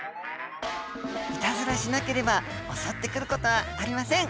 いたずらしなければ襲ってくることはありません。